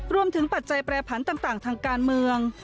ปัจจัยแปรผันต่างทางการเมือง